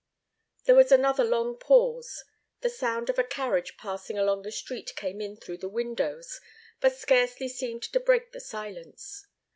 There was another long pause. The sound of a carriage passing along the street came in through the windows, but scarcely seemed to break the silence.